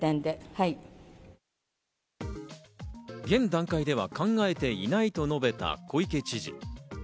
現段階では考えていないと述べた小池知事。